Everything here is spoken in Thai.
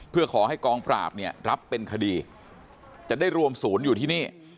เพื่อขอให้กองปราบเนี่ยรับเป็นคดีจะได้รวมศูนย์อยู่ที่นี่